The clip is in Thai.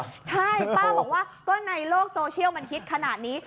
ใช่ป้าบอกว่าก็ในโลกโซเชียลมันฮิตขนาดนี้